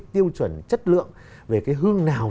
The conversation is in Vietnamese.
tiêu chuẩn chất lượng về cái hương nào